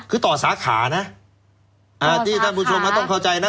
คือต่อสาขานะที่ท่านผู้ชมต้องเข้าใจนะ